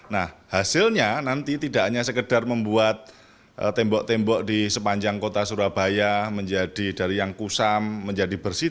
nah hasilnya nanti tidak hanya sekedar membuat tembok tembok di sepanjang kota surabaya menjadi dari yang kusam menjadi bersih